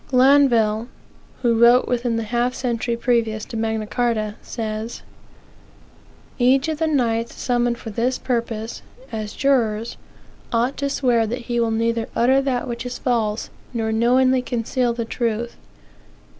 Glanville, who wrote within the half century previous to Magna Carta, says; "Each of the knights summoned far this purpose (as jurors) ought to swear that he will neither utter that which is false, nor knowingly conceal the truth."